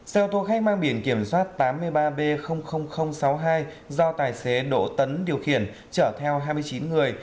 xe ô tô khách mang biển kiểm soát tám mươi ba b sáu mươi hai do tài xế đỗ tấn điều khiển chở theo hai mươi chín người